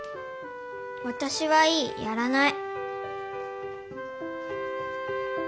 わたしはいいやらない。